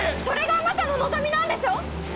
それがあなたの望みなんでしょう？